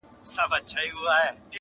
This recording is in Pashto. قدرت الله درمان